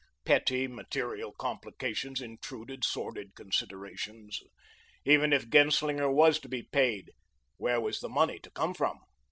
Petty, material complications intruded, sordid considerations. Even if Genslinger was to be paid, where was the money to come from?